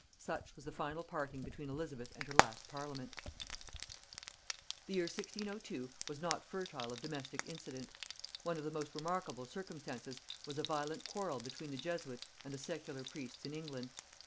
Such was the final parting between Elizabeth and her last parliament! The year 1602 was not fertile of domestic incident. One of the most remarkable circumstances was a violent quarrel between the Jesuits and the secular priests in England.